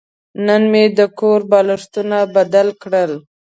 نن مې د کور بالښتونه بدله کړل.